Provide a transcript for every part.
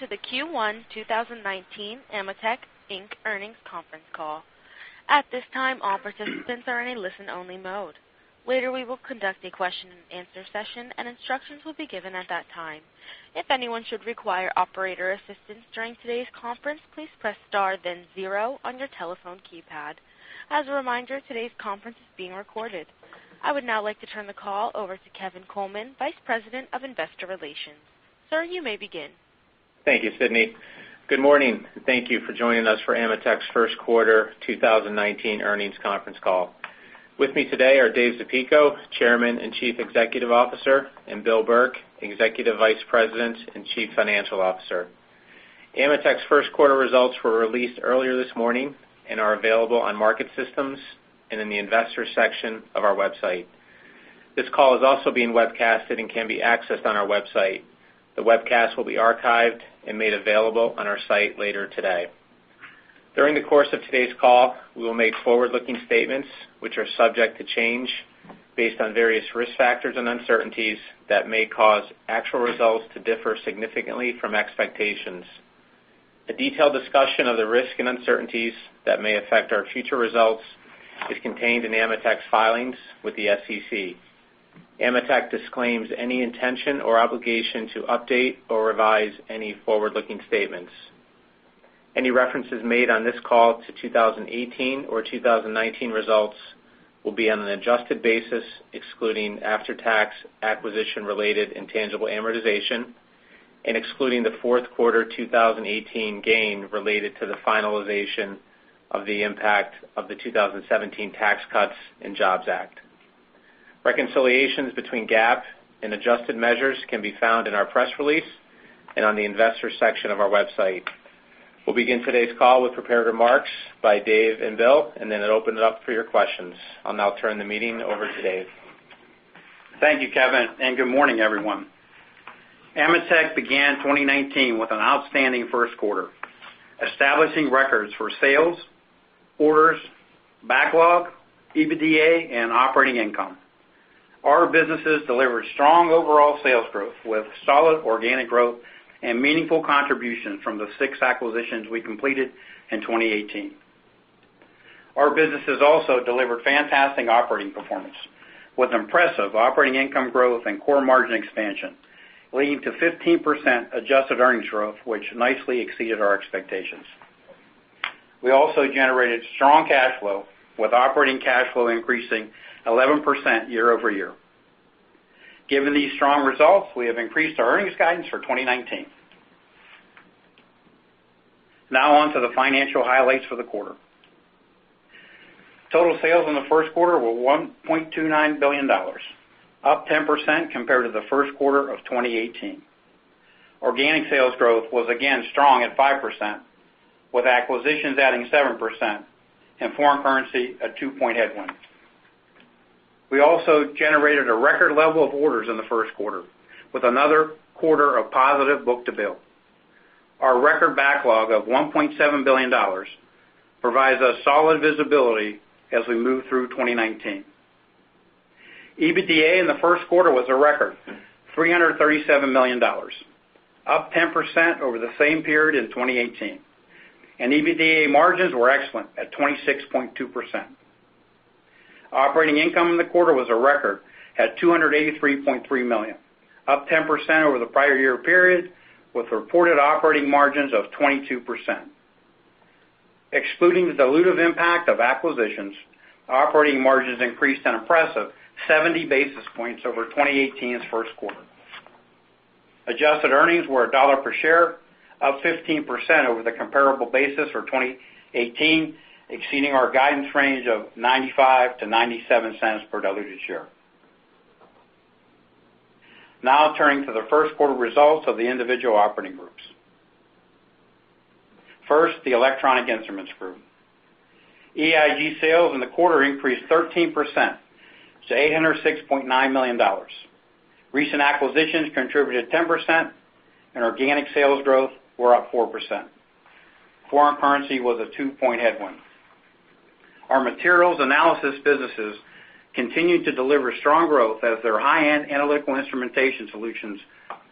To the Q1 2019 AMETEK, Inc. Earnings Conference Call. At this time, all participants are in a listen-only mode. Later, we will conduct a question-and-answer session, and instructions will be given at that time. If anyone should require operator assistance during today's conference, please press star then zero on your telephone keypad. As a reminder, today's conference is being recorded. I would now like to turn the call over to Kevin Coleman, Vice President of Investor Relations. Sir, you may begin. Thank you, Sydney. Good morning, and thank you for joining us for AMETEK's first quarter 2019 earnings conference call. With me today are Dave Zapico, Chairman and Chief Executive Officer, and Bill Burke, Executive Vice President and Chief Financial Officer. AMETEK's first quarter results were released earlier this morning and are available on market systems and in the investor section of our website. This call is also being webcast and can be accessed on our website. The webcast will be archived and made available on our site later today. During the course of today's call, we will make forward-looking statements that are subject to change based on various risk factors and uncertainties that may cause actual results to differ significantly from expectations. A detailed discussion of the risks and uncertainties that may affect our future results is contained in AMETEK's filings with the SEC. AMETEK disclaims any intention or obligation to update or revise any forward-looking statements. Any references made on this call to 2018 or 2019 results will be on an adjusted basis, excluding after-tax acquisition-related intangible amortization and excluding the fourth quarter 2018 gain related to the finalization of the impact of the 2017 Tax Cuts and Jobs Act. Reconciliations between GAAP and adjusted measures can be found in our press release and on the investor section of our website. We'll begin today's call with prepared remarks by Dave and Bill. Then open it up for your questions. I'll now turn the meeting over to Dave. Thank you, Kevin. Good morning, everyone. AMETEK began 2019 with an outstanding first quarter, establishing records for sales, orders, backlog, EBITDA, and operating income. Our businesses delivered strong overall sales growth with solid organic growth and meaningful contributions from the six acquisitions we completed in 2018. Our businesses also delivered fantastic operating performance with impressive operating income growth and core margin expansion, leading to 15% adjusted earnings growth, which nicely exceeded our expectations. We also generated strong cash flow, with operating cash flow increasing 11% year-over-year. Given these strong results, we have increased our earnings guidance for 2019. On to the financial highlights for the quarter. Total sales in the first quarter were $1.29 billion, up 10% compared to the first quarter of 2018. Organic sales growth was again strong at 5%, with acquisitions adding 7% and foreign currency a two-point headwind. We also generated a record level of orders in the first quarter with another quarter of positive book-to-bill. Our record backlog of $1.7 billion provides us solid visibility as we move through 2019. EBITDA in the first quarter was a record, $337 million, up 10% over the same period in 2018, and EBITDA margins were excellent at 26.2%. Operating income in the quarter was a record at $283.3 million, up 10% over the prior-year period, with reported operating margins of 22%. Excluding the dilutive impact of acquisitions, operating margins increased an impressive 70 basis points over 2018's first quarter. Adjusted earnings were $1.00 per share, up 15% over the comparable basis for 2018, exceeding our guidance range of $0.95-$0.97 per diluted share. Turning to the first quarter results of the individual operating groups. The Electronic Instruments Group. EIG sales in the quarter increased 13% to $806.9 million. Recent acquisitions contributed 10%; organic sales growth was up 4%. Foreign currency was a two-point headwind. Our Materials Analysis businesses continued to deliver strong growth as their high-end analytical instrumentation solutions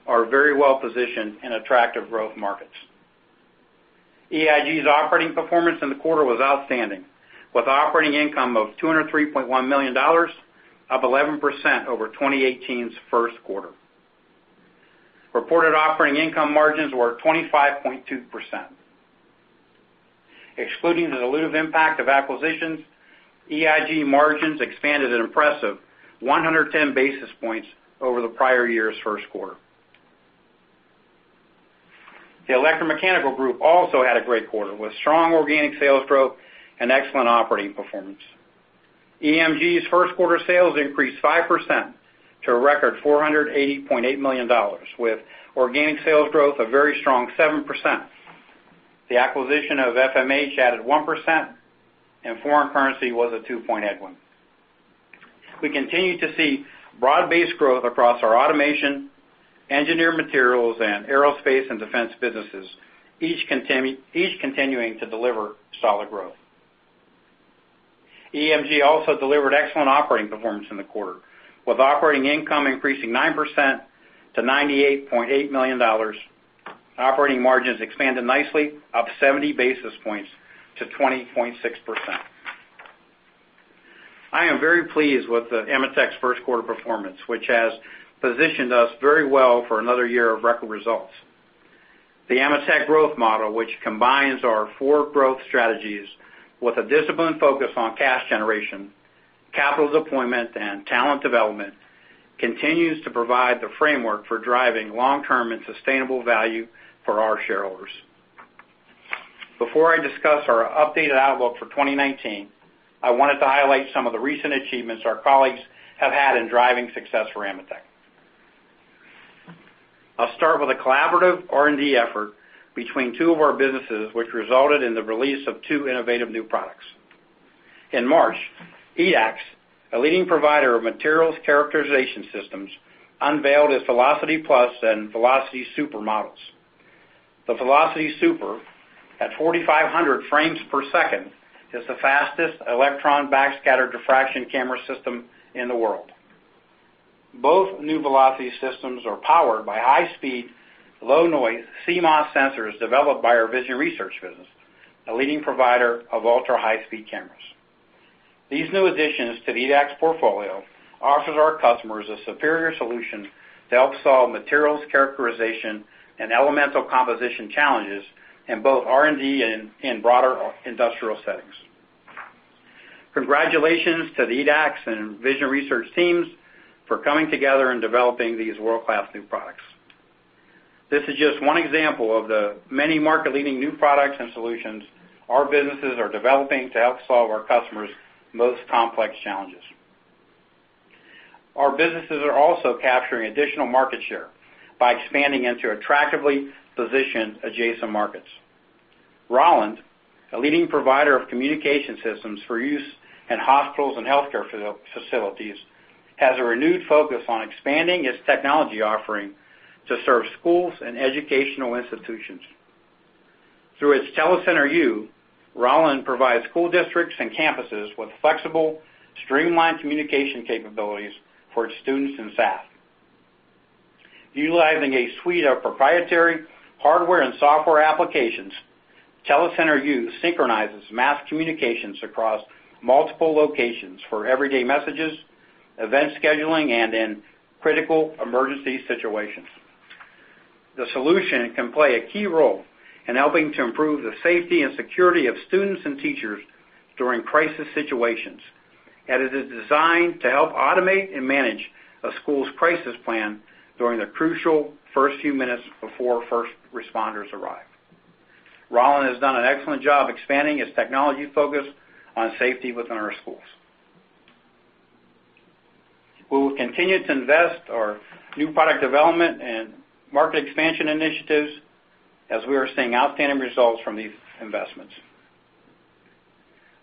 are very well positioned in attractive growth markets. EIG's operating performance in the quarter was outstanding, with operating income of $203.1 million, up 11% over 2018's first quarter. Reported operating income margins were 25.2%. Excluding the dilutive impact of acquisitions, EIG margins expanded an impressive 110 basis points over the prior year's first quarter. The Electromechanical Group also had a great quarter with strong organic sales growth and excellent operating performance. EMG's first quarter sales increased 5% to a record $480.8 million, with organic sales growth a very strong 7%. The acquisition of FMH added 1%, and foreign currency was a two-point headwind. We continue to see broad-based growth across our automation, engineered materials, and aerospace and defense businesses, each continuing to deliver solid growth. EMG also delivered excellent operating performance in the quarter, with operating income increasing 9% to $98.8 million. Operating margins expanded nicely, up 70 basis points to 20.6%. I am very pleased with AMETEK's first quarter performance, which has positioned us very well for another year of record results. The AMETEK growth model, which combines our four growth strategies with a disciplined focus on cash generation, capital deployment, and talent development, continues to provide the framework for driving long-term and sustainable value for our shareholders. Before I discuss our updated outlook for 2019, I wanted to highlight some of the recent achievements our colleagues have had in driving success for AMETEK. I'll start with a collaborative R&D effort between two of our businesses, which resulted in the release of two innovative new products. In March, EDAX, a leading provider of materials characterization systems, unveiled its Velocity Plus and Velocity Super models. The Velocity Super, at 4,500 frames per second, is the fastest electron backscatter diffraction camera system in the world. Both new Velocity systems are powered by high-speed, low-noise CMOS sensors developed by our Vision Research business, a leading provider of ultra-high-speed cameras. These new additions to the EDAX portfolio offer our customers a superior solution to help solve materials characterization and elemental composition challenges in both R&D and broader industrial settings. Congratulations to the EDAX and Vision Research teams for coming together and developing these world-class new products. This is just one example of the many market-leading new products and solutions our businesses are developing to help solve our customers' most complex challenges. Our businesses are also capturing additional market share by expanding into attractively positioned adjacent markets. Rauland, a leading provider of communication systems for use in hospitals and healthcare facilities, has a renewed focus on expanding its technology offering to serve schools and educational institutions. Through its Telecenter U, Rauland provides school districts and campuses with flexible, streamlined communication capabilities for its students and staff. Utilizing a suite of proprietary hardware and software applications, Telecenter U synchronizes mass communications across multiple locations for everyday messages, event scheduling, and critical emergency situations. The solution can play a key role in helping to improve the safety and security of students and teachers during crisis situations, and it is designed to help automate and manage a school's crisis plan during the crucial first few minutes before first responders arrive. Rauland has done an excellent job expanding its technology focus on safety within our schools. We will continue to invest in our new product development and market expansion initiatives, as we are seeing outstanding results from these investments.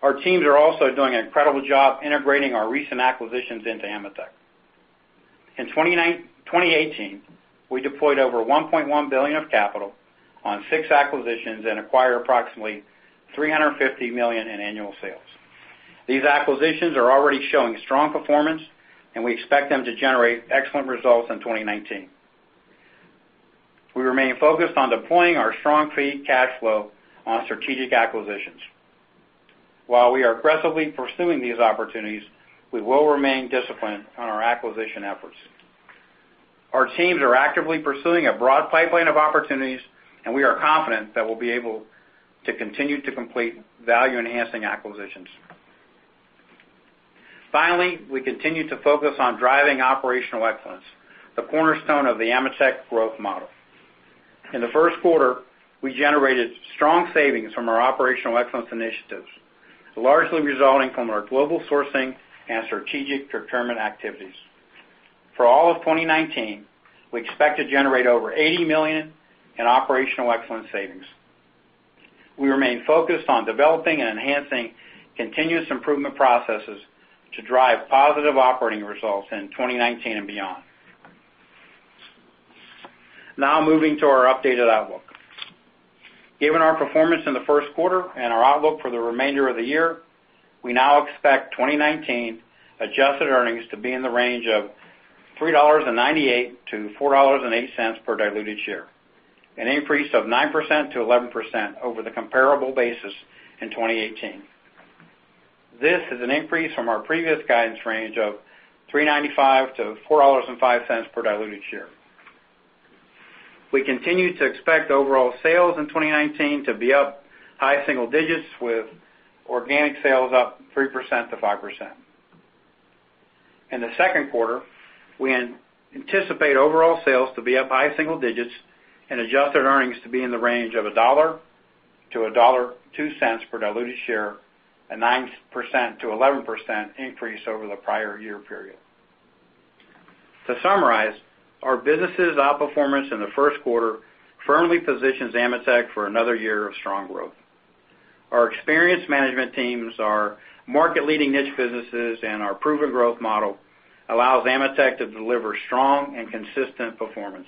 Our teams are also doing an incredible job integrating our recent acquisitions into AMETEK. In 2018, we deployed over $1.1 billion of capital on six acquisitions and acquired approximately $350 million in annual sales. These acquisitions are already showing strong performance; we expect them to generate excellent results in 2019. We remain focused on deploying our strong free cash flow on strategic acquisitions. While we are aggressively pursuing these opportunities, we will remain disciplined on our acquisition efforts. Our teams are actively pursuing a broad pipeline of opportunities; we are confident that we'll be able to continue to complete value-enhancing acquisitions. Finally, we continue to focus on driving Operational Excellence, the cornerstone of the AMETEK growth model. In the first quarter, we generated strong savings from our Operational Excellence initiatives, largely resulting from our global sourcing and strategic procurement activities. For all of 2019, we expect to generate over $80 million in operational excellence savings. We remain focused on developing and enhancing continuous improvement processes to drive positive operating results in 2019 and beyond. Now moving to our updated outlook. Given our performance in the first quarter and our outlook for the remainder of the year, we now expect 2019 adjusted earnings to be in the range of $3.98-$4.08 per diluted share, an increase of 9%-11% over the comparable basis in 2018. This is an increase from our previous guidance range of $3.95-$4.05 per diluted share. We continue to expect overall sales in 2019 to be up high single digits with organic sales up 3%-5%. In the second quarter, we anticipate overall sales to be up high single digits and adjusted earnings to be in the range of $1.00 to $1.02 per diluted share, a 9%-11% increase over the prior year period. To summarize, our businesses' outperformance in the first quarter firmly positions AMETEK for another year of strong growth. Our experienced management teams, our market-leading niche businesses, and our proven growth model allows AMETEK to deliver strong and consistent performance.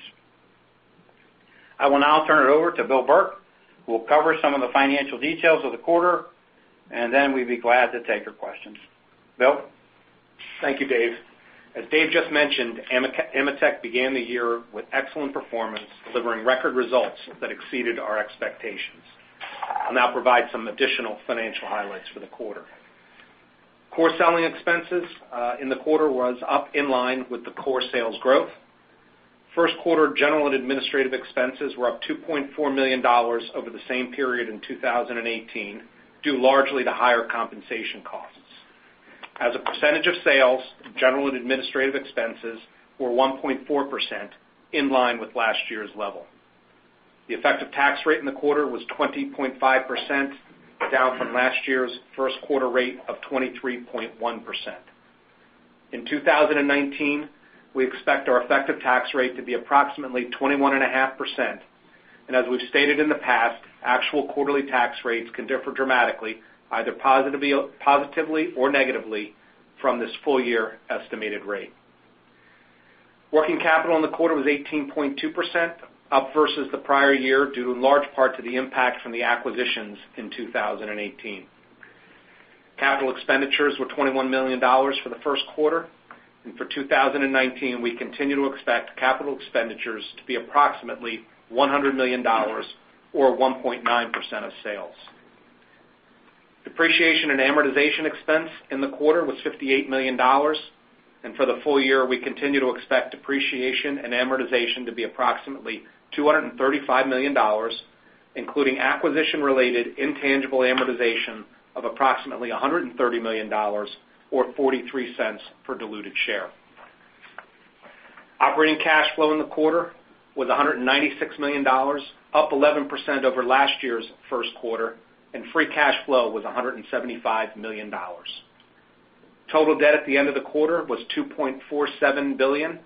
I will now turn it over to Bill Burke, who will cover some of the financial details of the quarter, and then we'd be glad to take your questions. Bill? Thank you, Dave. As Dave just mentioned, AMETEK began the year with excellent performance, delivering record results that exceeded our expectations. I'll now provide some additional financial highlights for the quarter. Core selling expenses in the quarter were up in line with the core sales growth. First quarter general and administrative expenses were up $2.4 million over the same period in 2018 due largely to higher compensation costs. As a percentage of sales, general and administrative expenses were 1.4%, in line with last year's level. The effective tax rate in the quarter was 20.5%, down from last year's first quarter rate of 23.1%. In 2019, we expect our effective tax rate to be approximately 21.5%. As we've stated in the past, actual quarterly tax rates can differ dramatically, either positively or negatively from this full year estimated rate. Working capital in the quarter was 18.2%, up versus the prior year due in large part to the impact from the acquisitions in 2018. Capital expenditures were $21 million for the first quarter. For 2019, we continue to expect capital expenditures to be approximately $100 million or 1.9% of sales. Depreciation and amortization expense in the quarter was $58 million. For the full year, we continue to expect depreciation and amortization to be approximately $235 million, including acquisition-related intangible amortization of approximately $130 million or $0.43 per diluted share. Operating cash flow in the quarter was $196 million, up 11% over last year's first quarter, and free cash flow was $175 million. Total debt at the end of the quarter was $2.47 billion,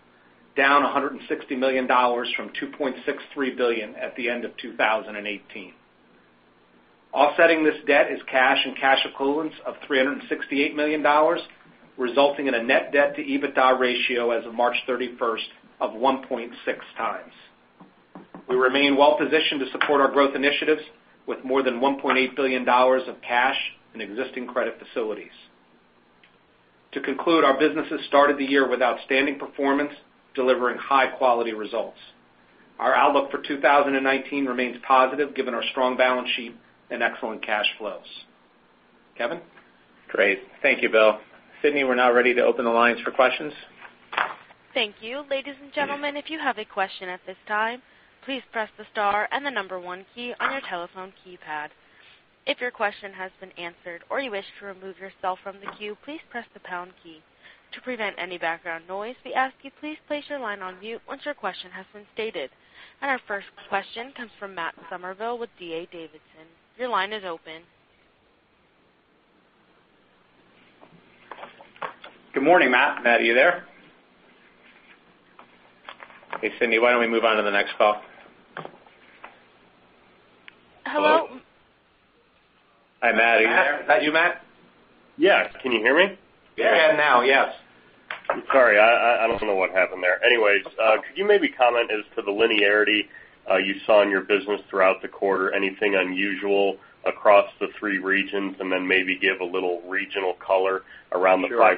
down $160 million from $2.63 billion at the end of 2018. Offsetting this debt are cash and cash equivalents of $368 million, resulting in a net debt-to-EBITDA ratio as of March 31st of 1.6x. We remain well-positioned to support our growth initiatives with more than $1.8 billion of cash and existing credit facilities. To conclude, our businesses started the year with outstanding performance, delivering high-quality results. Our outlook for 2019 remains positive given our strong balance sheet and excellent cash flows. Kevin? Great. Thank you, Bill. Sydney, we're now ready to open the lines for questions. Thank you. Ladies and gentlemen, if you have a question at this time, please press the star and the number one key on your telephone keypad. If your question has been answered or you wish to remove yourself from the queue, please press the pound key. To prevent any background noise, we ask you please place your line on mute once your question has been stated. Our first question comes from Matt Summerville with D.A. Davidson. Your line is open. Good morning, Matt. Matt, are you there? Okay, Sydney, why don't we move on to the next call? Hello? Yes. Can you hear me? Yeah. We can now. Yes. Sorry, I don't know what happened there. Could you maybe comment as to the linearity you saw in your business throughout the quarter, anything unusual across the three regions? Right.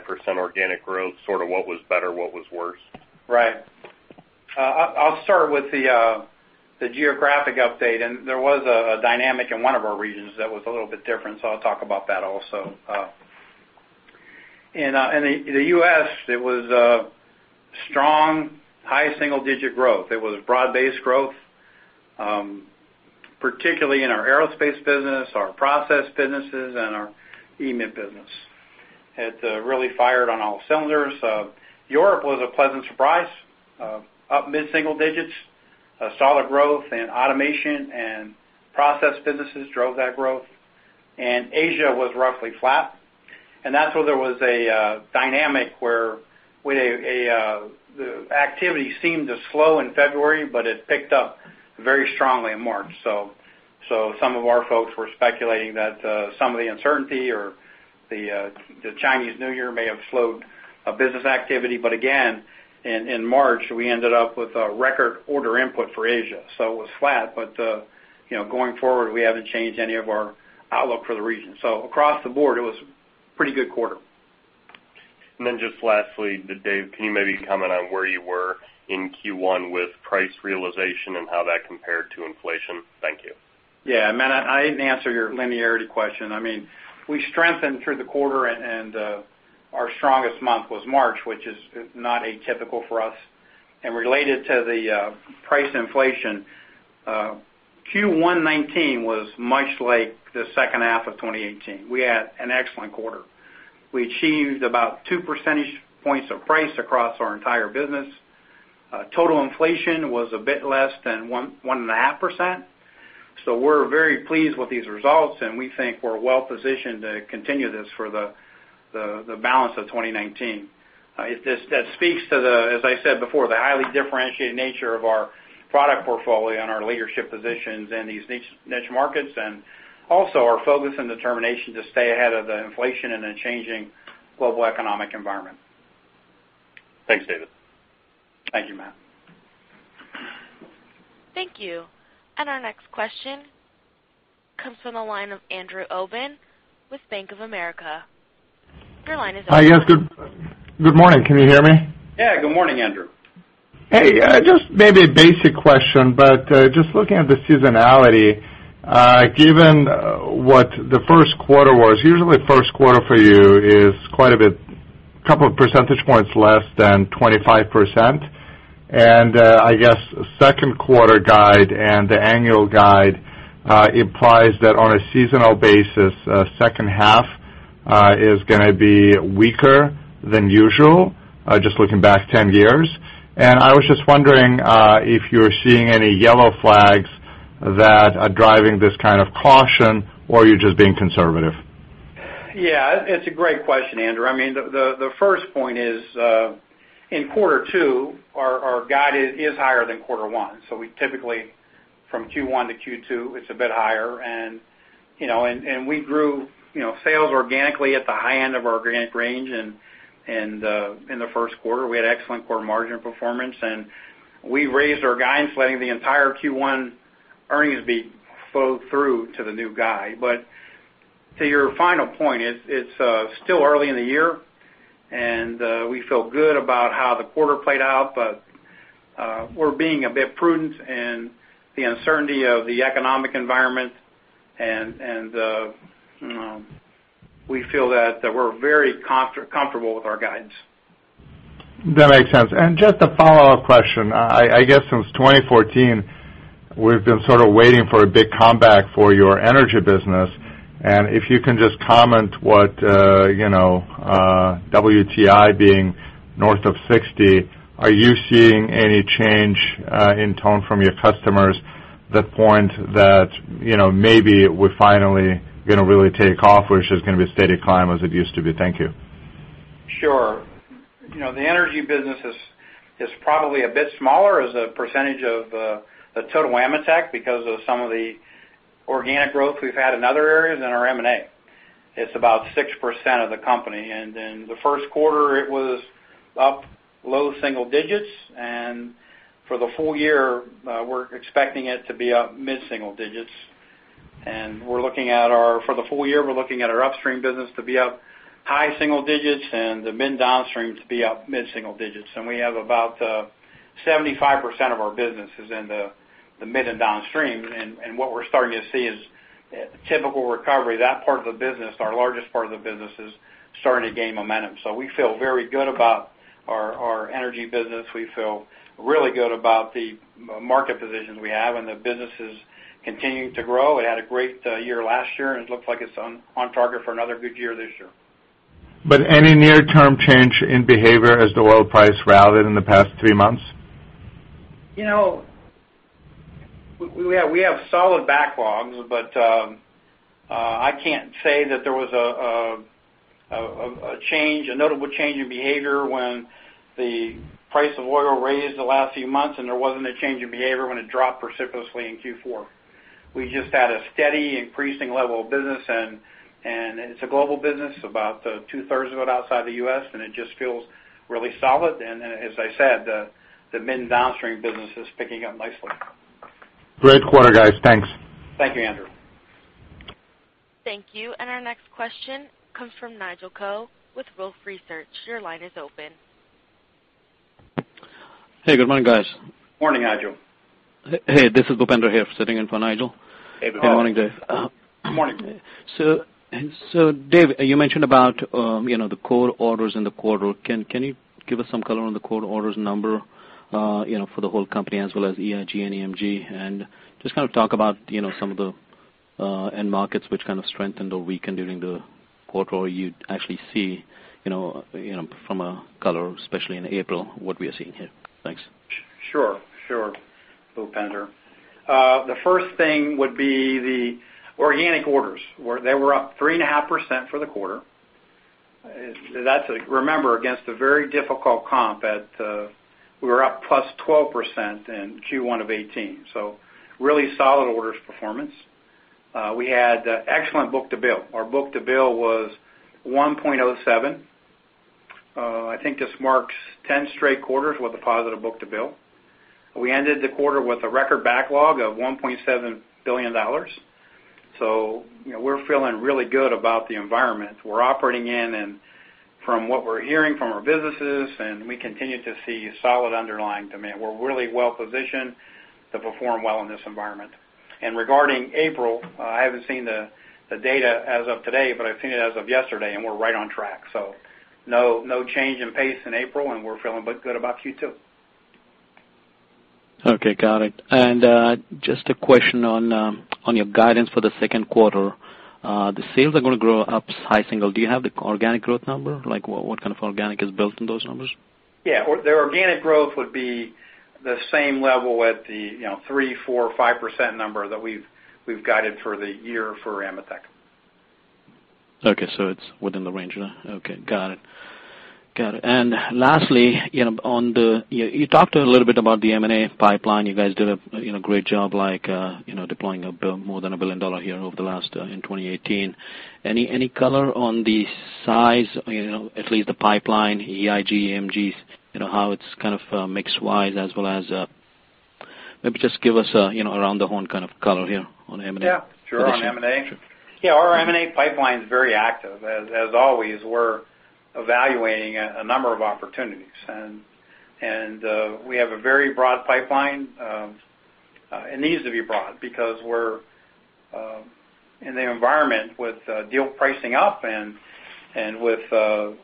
-5% organic growth, sort of what was better, what was worse. Right. I'll start with the geographic update, and there was a dynamic in one of our regions that was a little bit different, so I'll talk about that also. In the U.S., it was strong, high single-digit growth. It was broad-based growth, particularly in our aerospace business, our process businesses, and our EMG business. It really fired on all cylinders. Europe was a pleasant surprise, up mid-single digits. A solid growth in automation and process businesses drove that growth. Asia was roughly flat, and that's where there was a dynamic where we had the activity seemed to slow in February, but it picked up very strongly in March. Some of our folks were speculating that some of the uncertainty or the Chinese New Year may have slowed business activity. In March, we ended up with a record order input for Asia. It was flat; you know, going forward, we haven't changed any of our outlook for the region. Across the board, it was a pretty good quarter. Just lastly, David, can you maybe comment on where you were in Q1 with price realization and how that compared to inflation? Thank you. Yeah. Matt, I didn't answer your linearity question. I mean, we strengthened through the quarter. Our strongest month was March, which is not atypical for us. Related to the price inflation, Q1 2019 was much like the second half of 2018. We had an excellent quarter. We achieved about two percentage points of price increase across our entire business. Total inflation was a bit less than 1.5%. We're very pleased with these results, and we think we're well-positioned to continue this for the balance of 2019. That speaks to the, as I said before, highly differentiated nature of our product portfolio and our leadership positions in these niche markets and also our focus and determination to stay ahead of the inflation in a changing global economic environment. Thanks, David. Thank you, Matt. Thank you. Our next question comes from the line of Andrew Obin with Bank of America. Your line is open. Hi. Yes, good morning. Can you hear me? Yeah. Good morning, Andrew. Hey, just maybe a basic question, but just looking at the seasonality, given what the first quarter was, usually first quarter for you is quite a bit a couple of percentage points less than 25%. I guess the second quarter guide and the annual guide imply that on a seasonal basis, the second half is going to be weaker than usual, just looking back 10 years. I was just wondering, are you seeing any yellow flags that are driving this kind of caution, or are you just being conservative? Yeah. It's a great question, Andrew. I mean, the first point is in quarter two, our guide is higher than in quarter one. We typically, from Q1 to Q2, it's a bit higher, and, you know, we grew, you know, sales organically at the high end of our organic range in the first quarter. We had excellent core margin performance, and we raised our guidance, letting the entire Q1 earnings flow through to the new guide. To your final point, it's still early in the year, and we feel good about how the quarter played out. We're being a bit prudent in the uncertainty of the economic environment, and we feel that we're very comfortable with our guidance. That makes sense. Just a follow-up question. I guess since 2014, we've been sort of waiting for a big comeback for your energy business. If you can just comment on what, you know, WTI being north of 60, are you seeing any change in tone from your customers that points to, you know, maybe we're finally going to really take off, or it's just going to be a steady climb as it used to be? Thank you. Sure. You know, the energy business is probably a bit smaller as a percentage of the total AMETEK because of some of the organic growth we've had in other areas and our M&A. It's about 6% of the company. In the first quarter, it was up low single digits. For the full year, we're expecting it to be up mid-single-digits. For the full year, we're looking at our upstream business to be up high single digits and the mid-downstream to be up mid-single digits. We have about 75% of our business in the mid- and downstream. What we're starting to see is a typical recovery. That part of the business, our largest part of the business, is starting to gain momentum. We feel very good about our energy business. We feel really good about the market position we have, and the business is continuing to grow. It had a great year last year, and it looks like it's on target for another good year this year. Any near-term change in behavior as the oil price rallied in the past three months? You know, we have solid backlogs, but I can't say that there was a notable change in behavior when the price of oil rose the last few months, and there wasn't a change in behavior when it dropped precipitously in Q4. We just had a steadily increasing level of business, and it's a global business, about two-thirds of it outside the U.S., and it just feels really solid. Then, as I said, the mid-downstream business is picking up nicely. Great quarter, guys. Thanks. Thank you, Andrew. Thank you. Our next question comes from Nigel Coe with Wolfe Research. Your line is open. Hey, good morning, guys. Morning, Nigel. Hey, this is Bhupender here sitting in for Nigel Coe. Hey, Bhupender. Good morning, Dave. Good morning. Dave, you mentioned, you know, the core orders in the quarter. Can you give us some color on the core orders number, you know, for the whole company as well as EIG and EMG? Just kind of talk about, you know, some of the end markets that kind of strengthened or weakened during the quarter or what you actually see, you know, from a color, especially in April, and what we are seeing here. Thanks. Sure. Sure, Bhupender. The first thing would be the organic orders were up 3.5% for the quarter. That's, remember, against a very difficult comp at, we were up +12% in Q1 of 2018, really solid orders performance. We had excellent book-to-bill. Our book-to-bill was 1.07. I think this marks 10 straight quarters with a positive book-to-bill. We ended the quarter with a record backlog of $1.7 billion. You know, we're feeling really good about the environment we're operating in. From what we're hearing from our businesses, we continue to see solid underlying demand. We're really well positioned to perform well in this environment. Regarding April, I haven't seen the data as of today, but I've seen it as of yesterday, and we're right on track. No, no change in pace in April, and we're feeling but good about Q2. Okay, got it. Just a question on your guidance for the second quarter. The sales are going to grow to a high single. Do you have the organic growth number? Like, what kind of organic is built into those numbers? Yeah. The organic growth would be the same level at the, you know, 3%, 4%, 5% number that we've guided for the year for AMETEK. Okay. It's within the range, then. Okay, got it. Got it. Lastly, you know, on the, you talked a little bit about the M&A pipeline. You guys did a, you know, great job, like, you know, deploying more than $1 billion here over the last year in 2018. Any color on the size, you know, at least the pipeline, EIG, and EMG; you know, how it's kind of mixed as well. Maybe just give us a, you know, around the horn kind of color here on M&A. Yeah, sure. On M&A? Sure. Yeah, our M&A pipeline's very active. As always, we're evaluating a number of opportunities. We have a very broad pipeline. It needs to be broad because we're in the environment with deal pricing up and with the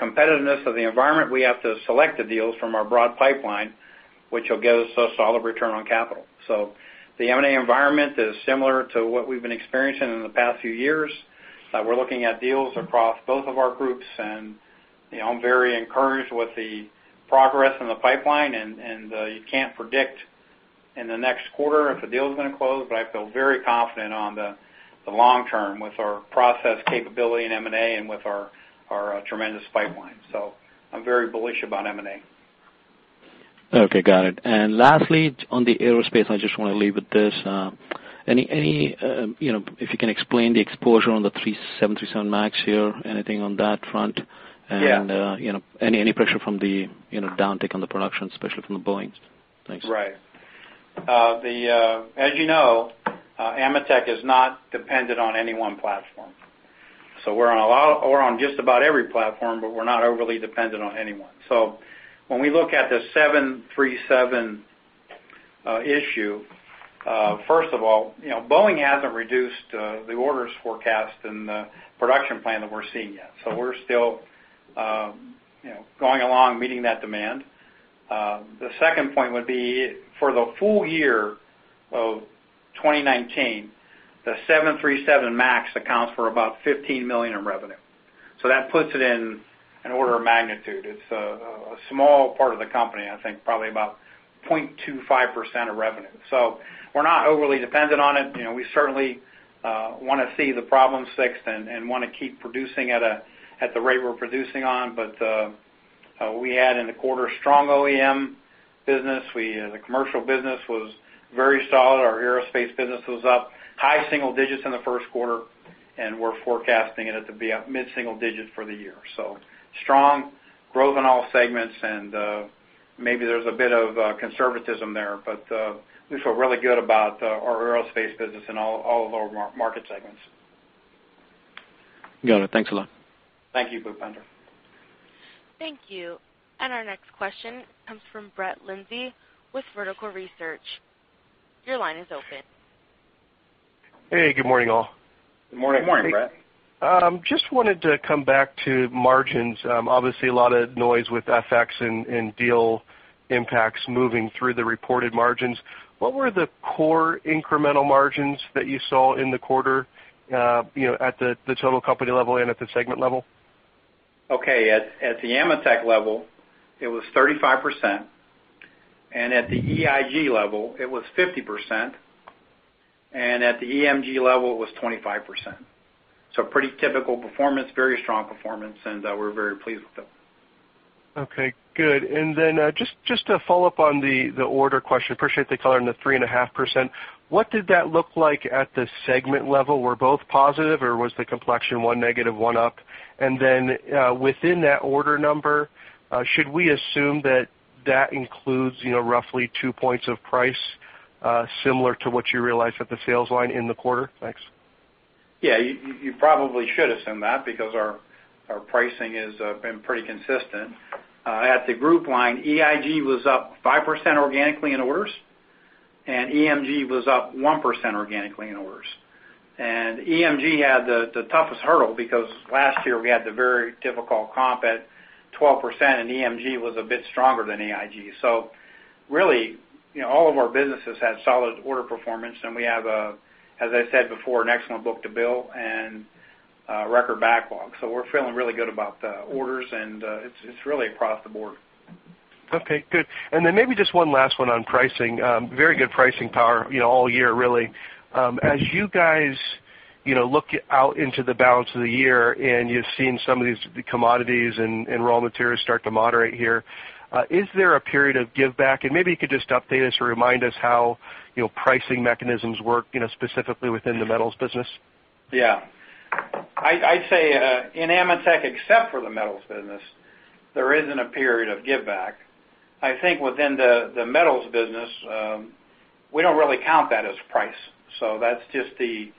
competitiveness of the environment, we have to select the deals from our broad pipeline, which will give us a solid return on capital. The M&A environment is similar to what we've been experiencing in the past few years. We're looking at deals across both of our groups, and, you know, I'm very encouraged with the progress in the pipeline. You can't predict in the next quarter if a deal's gonna close, but I feel very confident on the long term with our process capability in M&A and with our tremendous pipeline. I'm very bullish about M&A. Okay, got it. Lastly, in aerospace, I just want to leave with this. You know, if you can explain the exposure on the 737 MAX here, anything on that front? Yeah. You know, any pressure from the, you know, downtick on the production, especially from the Boeings? Thanks. Right. As you know, AMETEK is not dependent on any one platform. We're on just about every platform, but we're not overly dependent on any one. When we look at the 737 issue, first of all, you know, Boeing hasn't reduced the orders forecast and the production plan that we're seeing yet. We're still, you know, going along meeting that demand. The second point would be for the full year of 2019, the 737 MAX accounts for about $15 million in revenue. That puts it in an order of magnitude. It's a small part of the company, I think probably about 0.25% of revenue. We're not overly dependent on it. You know, we certainly want to see the problem fixed and want to keep producing at the rate we're producing on. We had in the quarter strong OEM business. We, the commercial business, were very solid. Our aerospace business was up high single digits in the first quarter; we're forecasting it to be up mid-single digits for the year. Strong growth in all segments, and maybe there's a bit of conservatism there. We feel really good about our aerospace business and all of our market segments. Got it. Thanks a lot. Thank you, Bhupender. Thank you. Our next question comes from Brett Linzey with Vertical Research. Your line is open. Hey, good morning, all. Just wanted to come back to margins. Obviously a lot of noise with FX and deal impacts moving through the reported margins. What were the core incremental margins that you saw in the quarter, you know, at the total company level and at the segment level? Okay. At the AMETEK level, it was 35%. At the EIG level, it was 50%. At the EMG level, it was 25%. Pretty typical performance, very strong performance, and we're very pleased with it. Okay, good. Then, to follow up on the order question, appreciate the color on the 3.5%. What did that look like at the segment level? Were both positive, or was the complexion one negative and one up? Then, within that order number, should we assume that that includes, you know, roughly two points of price, similar to what you realized at the sales line in the quarter? Thanks. Yeah. You probably should assume that because our pricing has been pretty consistent. At the group line, EIG was up 5% organically in orders, and EMG was up 1% organically in orders. EMG had the toughest hurdle because last year we had the very difficult comp at 12%, and EMG was a bit stronger than EIG. Really, you know, all of our businesses had solid order performance, and we have, as I said before, an excellent book-to-bill and record backlog. We're feeling really good about the orders, and it's really across the board. Okay, good. Maybe just one last one on pricing. Very good pricing power, you know, all year really. As you guys, you know, look out into the balance of the year and you've seen some of these, the commodities and raw materials start to moderate here, is there a period of giveback? Maybe you could just update us or remind us how, you know, pricing mechanisms work, you know, specifically within the metals business. Yeah. I'd say in AMETEK, except for the metals business, there isn't a period of giving back. I think within the metals business, we don't really count that as price. That's just the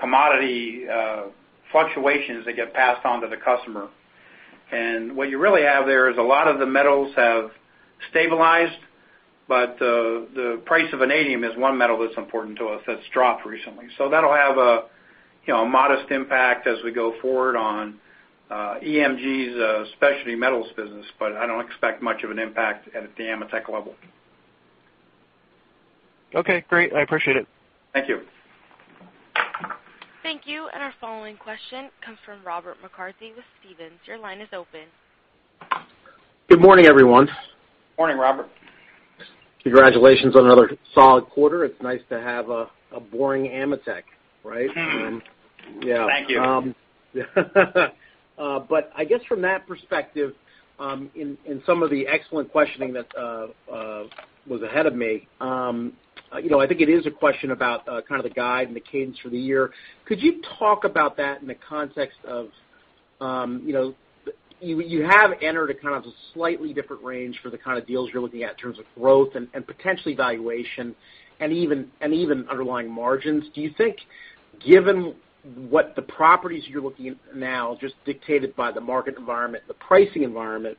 commodity fluctuations that get passed on to the customer. What you really have there is a lot of the metals have stabilized, but the price of vanadium, one metal that's important to us, has dropped recently. That'll have a, you know, modest impact as we go forward on EMG's specialty metals business, but I don't expect much of an impact at the AMETEK level. Okay, great. I appreciate it. Thank you. Thank you. Our following question comes from Robert McCarthy with Stephens. Your line is open. Good morning, everyone. Morning, Robert. Congratulations on another solid quarter. It's nice to have a boring AMETEK, right? Thank you. Yeah. I guess from that perspective, in some of the excellent questioning that was ahead of me, you know, I think it is a question about kind of the guide and the cadence for the year. Could you talk about that in the context of, you know, you have entered a kind of a slightly different range for the kind of deals you're looking at in terms of growth and potentially valuation and even underlying margins? Do you think, given that the properties you're looking at now are just dictated by the market environment and the pricing environment,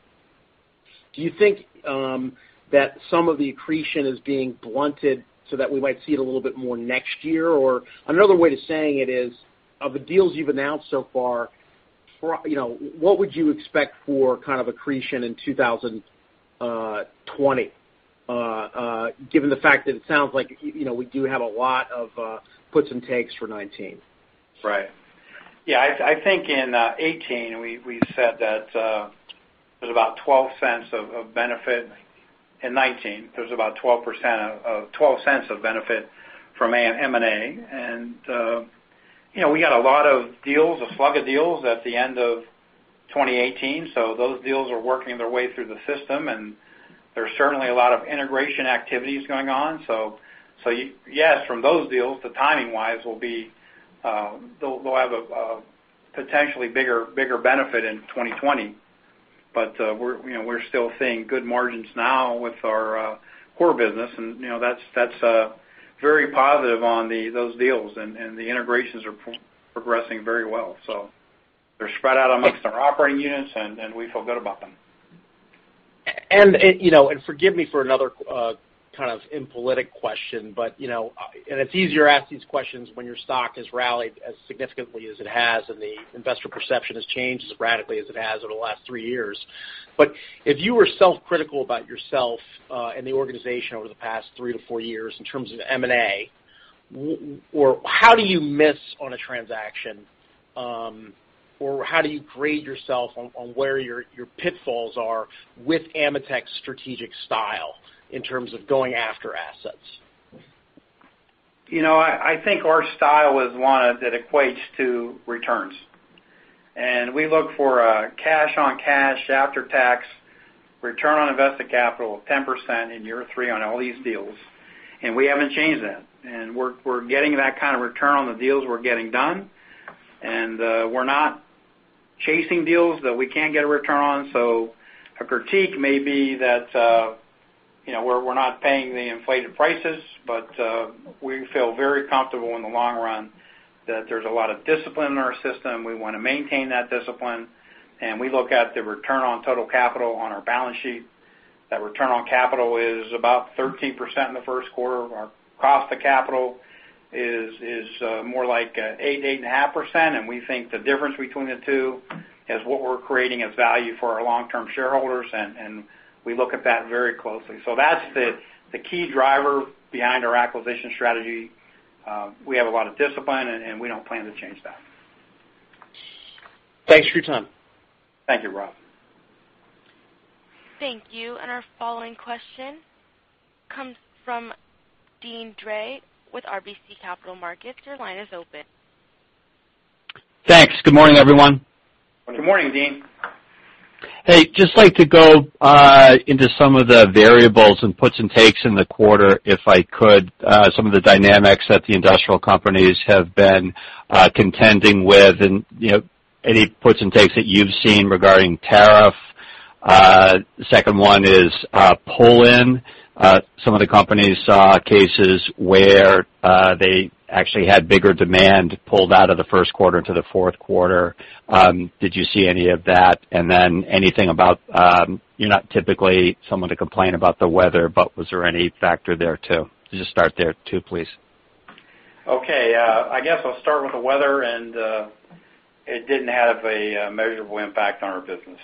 that some of the accretion is being blunted so that we might see it a little bit more next year? Another way to saying it is, of the deals you've announced so far, you know, what would you expect for kind of accretion in 2020 given the fact that it sounds like, you know, we do have a lot of puts and takes for 2019? Right. Yeah, I think in 2018 we said that there's about $0.12 of benefit in 2019. There's about 12% of $0.12 of benefit from M&A. You know, we got a lot of deals, a slug of deals at the end of 2018, so those deals are working their way through the system, and there's certainly a lot of integration activities going on. Yes, from those deals, timing-wise, they'll have a potentially bigger benefit in 2020. We're, you know, we're still seeing good margins now with our core business, and, you know, that's very positive on those deals, and the integrations are progressing very well. They're spread out amongst our operating units, and we feel good about them. You know, forgive me for another kind of impolitic question; it's easier to ask these questions when your stock has rallied as significantly as it has and the investor perception has changed as radically as it has over the last three years. If you were self-critical about yourself and the organization over the past three to four years in terms of M&A, how could you miss on a transaction, or how would you grade yourself on where your pitfalls are with AMETEK's strategic style in terms of going after assets? You know, I think our style is one that equates to returns. We look for a cash-on-cash after-tax return on invested capital of 10% in year three on all these deals, and we haven't changed that. We're getting that kind of return on the deals we're getting done, and we're not chasing deals that we can't get a return on. A critique may be that, you know, we're not paying the inflated prices, but we feel very comfortable in the long run that there's a lot of discipline in our system. We want to maintain that discipline, and we look at the return on total capital on our balance sheet. That return on capital is about 13% in the first quarter. Our cost of capital is more like 8.5%, and we think the difference between the two is what we're creating as value for our long-term shareholders, and we look at that very closely. That's the key driver behind our acquisition strategy. We have a lot of discipline, and we don't plan to change that. Thanks for your time. Thank you, Rob. Thank you. Our following question comes from Deane Dray with RBC Capital Markets. Your line is open. Thanks. Good morning, everyone. Good morning, Deane. Hey, I'd just like to go into some of the variables and put-and-takes in the quarter, if I could. Some of the dynamics that the industrial companies have been contending with, you know, any ups and downs that you've seen regarding tariffs. Second one is pull-in. Some of the companies saw cases where they actually had bigger demand pulled out of the first quarter and into the fourth quarter. Did you see any of that? Then anything about it? you're not typically someone to complain about the weather, was there any factor there too? Just start there too, please. Okay. I guess I'll start with the weather; it didn't have a measurable impact on our business.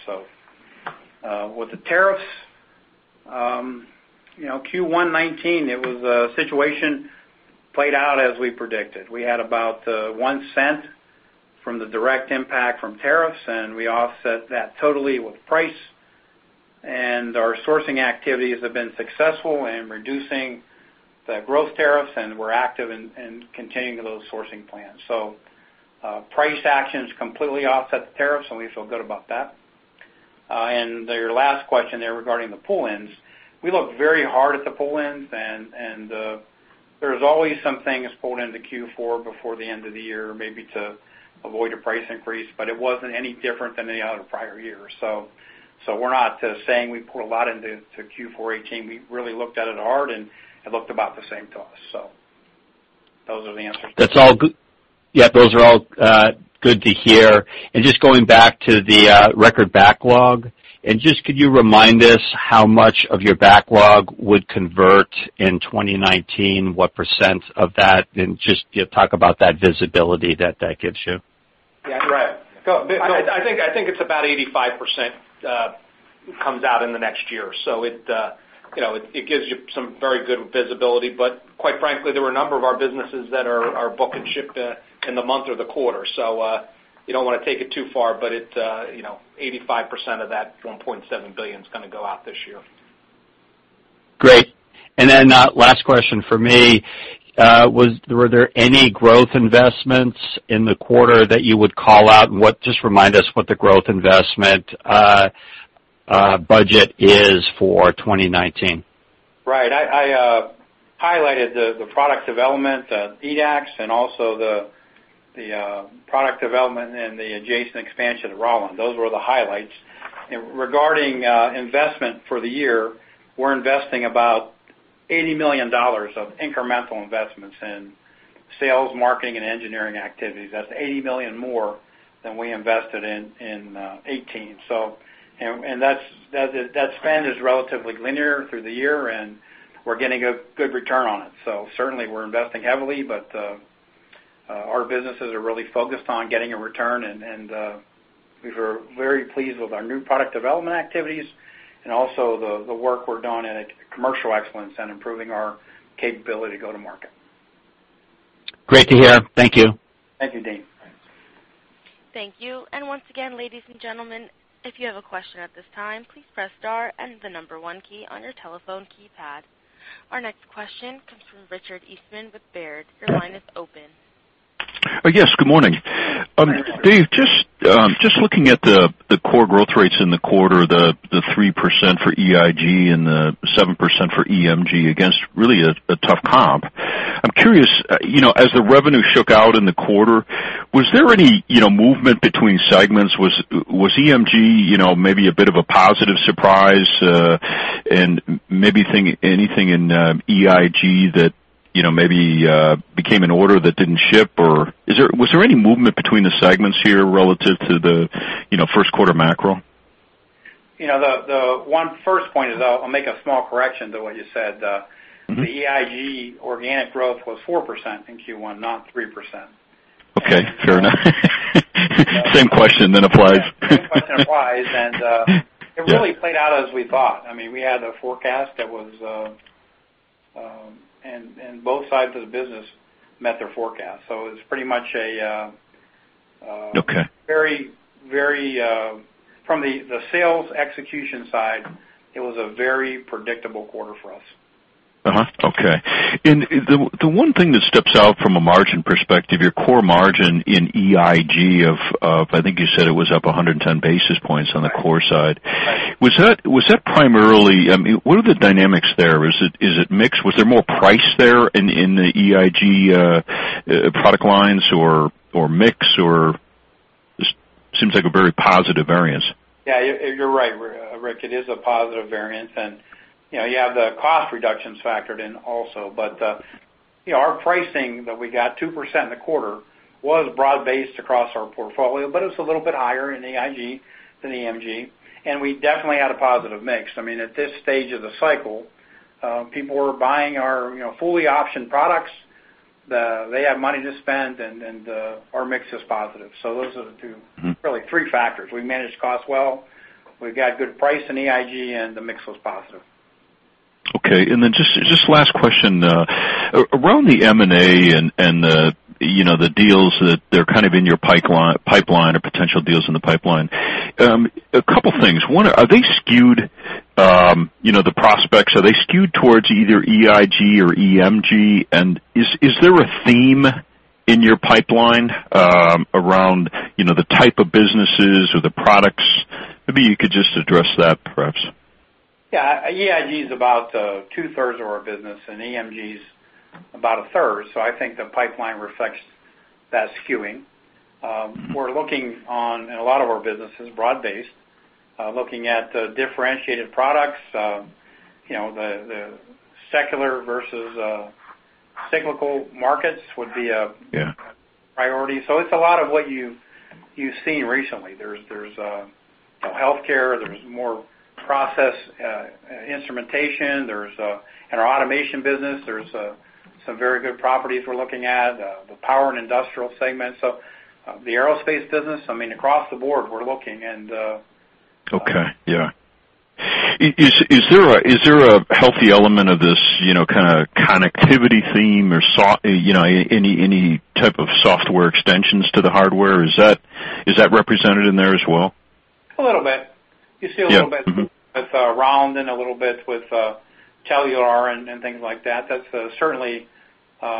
With the tariffs, you know, Q1 2019, it was a situation played out as we predicted. We had about $0.01 from the direct impact from tariffs; we offset that totally with price. Our sourcing activities have been successful in reducing the gross tariffs; we're active in continuing those sourcing plans. Price actions completely offset the tariffs; we feel good about that. To your last question there regarding the pull-ins, we look very hard at the pull-ins; there are always some things pulled into Q4 before the end of the year, maybe to avoid a price increase, it wasn't any different than any other prior year. We're not saying we pull a lot into Q4 2018. We really looked at it hard, and it looked about the same to us. Those are the answers. Yeah, those are all good to hear. Just going back to the record backlog, and just could you remind us how much of your backlog would convert in 2019? What percent of that? Just, you know, talk about that visibility that that gives you. Yeah. Right. I think it's about 85% comes out in the next year. You know, it gives you some very good visibility. Quite frankly, there were a number of our businesses that are book and ship in the month or the quarter. You don't wanna take it too far, but you know, 85% of that $1.7 billion is gonna go out this year. Great. Last question for me. Were there any growth investments in the quarter that you would call out? Just remind us about the growth investment. Budget is for 2019. Right. I highlighted the product development, EDAX, and also the product development and the adjacent expansion of Rauland. Those were the highlights. Regarding investment for the year, we're investing about $80 million of incremental investments in sales, marketing, and engineering activities. That's $80 million more than we invested in 2018. That spend is relatively linear through the year, and we're getting a good return on it. Certainly we're investing heavily, but our businesses are really focused on getting a return, and we were very pleased with our new product development activities and also the work we're doing in commercial excellence and improving our capability to go to market. Great to hear. Thank you. Thank you, Deane. Thank you. Once again, ladies and gentlemen, if you have a question at this time, please press the star and the one keys on your telephone keypad. Our next question comes from Richard Eastman with Baird. Your line is open. Yes, good morning. Good morning, Richard. David, just looking at the core growth rates in the quarter, the 3% for EIG and the 7% for EMG against really a tough comp. I'm curious, you know, as the revenue shook out in the quarter, was there any, you know, movement between segments? Was EMG, you know, maybe a bit of a positive surprise, and maybe anything in EIG that, you know, maybe became an order that didn't ship or was there any movement between the segments here relative to the, you know, first quarter macro? You know, the first point is I'll make a small correction to what you said. The EIG organic growth was 4% in Q1, not 3%. Okay, fair enough. Same question then applies. Yeah, applies. Yeah it really played out as we thought. I mean, we had a forecast. Both sides of the business met their forecast. Okay Very, from the sales execution side, it was a very predictable quarter for us. Uh-huh. Okay. The one thing that steps out from a margin perspective, your core margin in EIG, I think you said it was up 110 basis points on the core side. Was that primarily—I mean, what are the dynamics there? Is it mix? Was there more price in the EIG product lines or mix, or does it just seem like a very positive variance? Yeah, you're right, Rick, it is a positive variance. You know, you have the cost reductions factored in also. You know, our pricing that we got 2% in the quarter was broad-based across our portfolio, but it was a little bit higher in EIG than EMG, and we definitely had a positive mix. I mean, at this stage of the cycle, people were buying our, you know, fully optioned products. They have money to spend, and our mix is positive. Really three factors. We managed costs well, we got a good price in EIG, and the mix was positive. Okay. Then just one last question. Around the M&A and, you know, the deals that they're kind of in your pipeline or potential deals in the pipeline, a couple things. One, are they skewed, you know, the prospects, are they skewed towards either EIG or EMG? Is there a theme in your pipeline around, you know, the type of businesses or the products? Maybe you could just address that, perhaps? EIG is about two-thirds of our business and EMG's about a third. I think the pipeline reflects that skewing. We're looking on, in a lot of our businesses, broad-based, looking at differentiated products, you know, the secular versus cyclical markets. Yeah Priority. It's a lot of what you've seen recently. There's, you know, healthcare; there's more process instrumentation; there's our automation business; there are some very good properties we're looking at, the power and industrial segments of the aerospace business. I mean, across the board, we're looking. Okay. Yeah. Is there a healthy element of this, you know, kind of connectivity theme, or, you know, any type of software extensions to the hardware? Is that represented in there as well? A little bit. Yeah. Mm-hmm. with Rauland, a little bit with Telular, and things like that.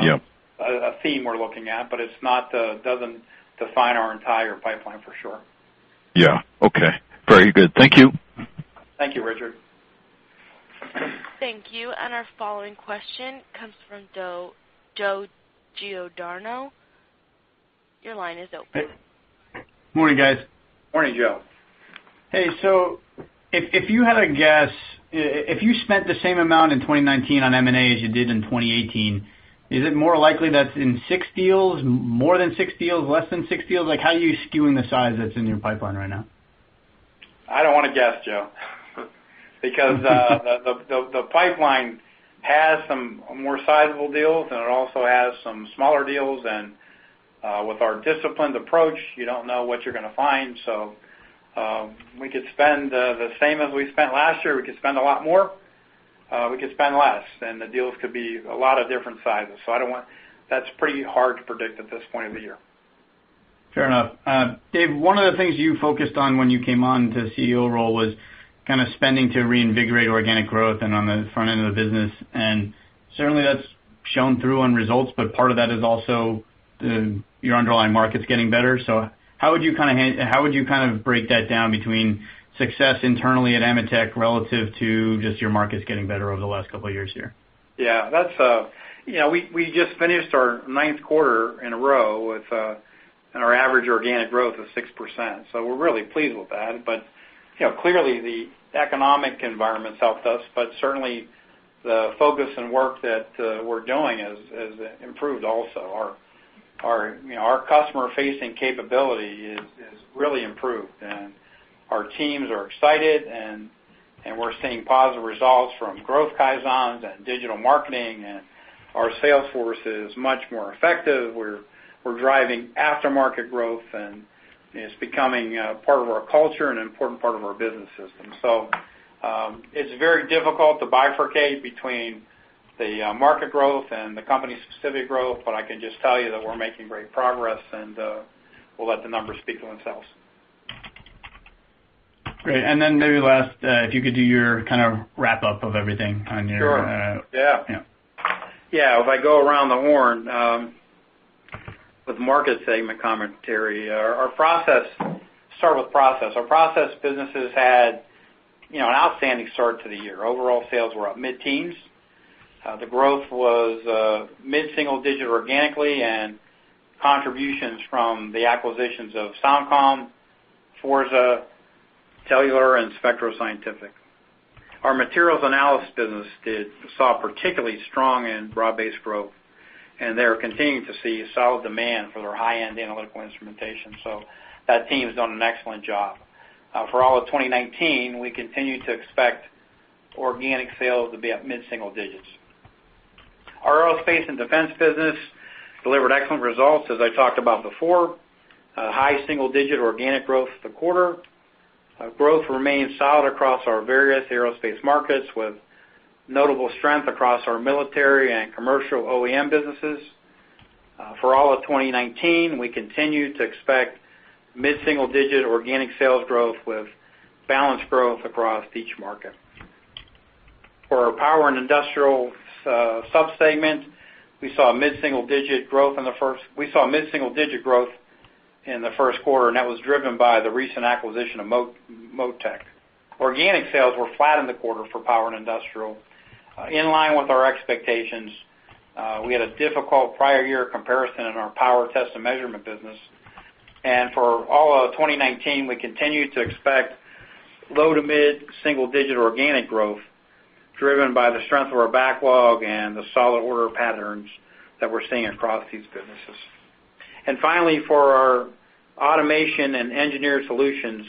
Yeah A theme we're looking at doesn't define our entire pipeline for sure. Yeah. Okay. Very good. Thank you. Thank you, Richard. Thank you. Our following question comes from Joe Giordano. Your line is open. Hey. Morning, guys. Morning, Joe. Hey, if you had to guess, if you spent the same amount in 2019 on M&A as you did in 2018, is it more likely that's six deals, more than six deals, or less than six deals? Like, how are you skewing the size that's in your pipeline right now? I don't want to guess, Joe, because the pipeline has some more sizable deals, and it also has some smaller deals. With our disciplined approach, you don't know what you're going to find. We could spend the same as we spent last year; we could spend a lot more; we could spend less, and the deals could be a lot of different sizes. That's pretty hard to predict at this point of the year. Fair enough. Dave, one of the things you focused on when you came into the CEO role was spending to reinvigorate organic growth on the front end of the business. That's shown through results; part of that is also your underlying market's getting better. How would you break that down between success internally at AMETEK relative to just your markets getting better over the last couple of years? Yeah, that's it. You know, we just finished our 9th quarter in a row with an average organic growth of 6%; we're really pleased with that. You know, clearly the economic environment has helped us, but certainly the focus and work that we're doing have improved also. Our, you know, customer-facing capability is really improved. Our teams are excited, and we're seeing positive results from growth, Kaizen, and digital marketing; our sales force is much more effective. We're driving aftermarket growth; it's becoming part of our culture and an important part of our business system. It's very difficult to bifurcate between the market growth and the company's specific growth; I can just tell you that we're making great progress, we'll let the numbers speak for themselves. Great. Maybe last, could you do your kind of wrap-up of everything? Sure. Yeah. Yeah. Yeah. If I go around the horn with market segment commentary, our process businesses had, you know, an outstanding start to the year. Overall sales were up mid-teens. The growth was mid-single digit organically, with contributions from the acquisitions of SoundCom, Forza, Telular, and Spectro Scientific. Our materials analysis business saw particularly strong and broad-based growth, and they are continuing to see solid demand for their high-end analytical instrumentation. That team has done an excellent job. For all of 2019, we continue to expect organic sales to be up mid-single digits. Our aerospace and defense business delivered excellent results, as I talked about before. High single-digit organic growth for the quarter. Growth remained solid across our various aerospace markets, with notable strength across our military and commercial OEM businesses. For all of 2019, we continue to expect mid-single-digit organic sales growth with balanced growth across each market. For our power and industrial subsegment, we saw mid-single-digit growth in the first quarter, and that was driven by the recent acquisition of Motec. Organic sales were flat in the quarter for power and industrial. In line with our expectations, we had a difficult prior year comparison in our power test and measurement business. For all of 2019, we continue to expect low-to-mid single-digit organic growth driven by the strength of our backlog and the solid order patterns that we're seeing across these businesses. Finally, for our automation and engineered solutions,